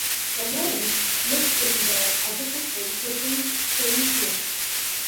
The Moran's lived in the adjacent home facing Coliseum.